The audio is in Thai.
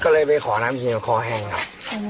ก็เลยไปขอน้ำจริงก็ขอแห้งครับอ๋อ